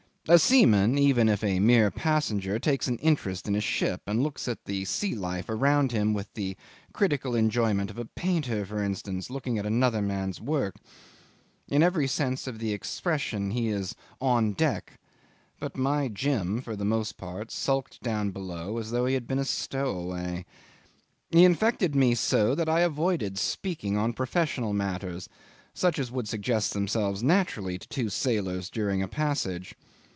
A seaman, even if a mere passenger, takes an interest in a ship, and looks at the sea life around him with the critical enjoyment of a painter, for instance, looking at another man's work. In every sense of the expression he is "on deck"; but my Jim, for the most part, skulked down below as though he had been a stowaway. He infected me so that I avoided speaking on professional matters, such as would suggest themselves naturally to two sailors during a passage.